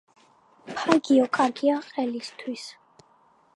ფაგიო კარგია ყელისთვის